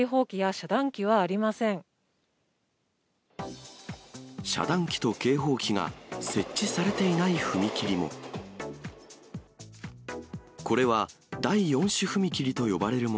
遮断機と警報機が設置されていない踏切も。